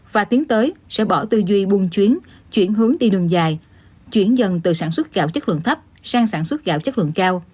và tiến tới sẽ bỏ tư duy buôn chuyến chuyển hướng đi đường dài chuyển dần từ sản xuất gạo chất lượng thấp sang sản xuất gạo chất lượng cao